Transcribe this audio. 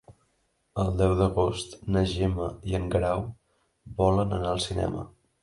El deu d'agost na Gemma i en Guerau volen anar al cinema.